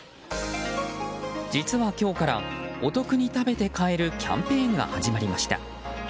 実は、今日からお得に食べて買えるキャンペーンが始まりました。